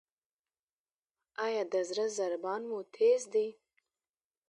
ایا د زړه ضربان مو تېز دی؟